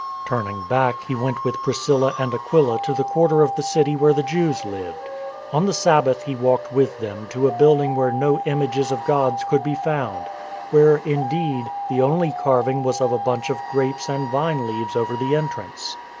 Turning back he went with Priscilla and Aquila to the quarter of the city where the Jews lived. On the Sabbath he walked with them to a building where no images of gods could be found — where, indeed, the only carving was of a bunch of grapes and vine leaves over the entrance.